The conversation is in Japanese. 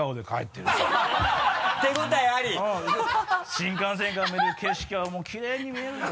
新幹線から見る景色はもうきれいに見えるよ。